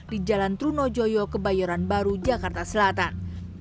di jalan trunojoyo kebayoran baru jakarta selatan